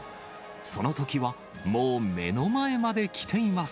そのときはもう目の前まで来ています。